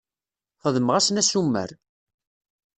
Xedmeɣ-asen assumer.